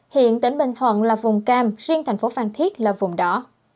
hiện tỉnh bình thuận là vùng cam riêng tp phan thiết là vùng đỏ